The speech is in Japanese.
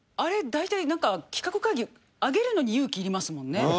大体企画会議挙げるのに勇気いりますもんね